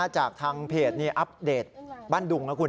จากทางเพจนี้อัปเดตบ้านดุงนะคุณ